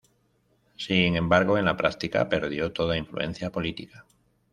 Sin embargo, en la práctica, perdió toda influencia política.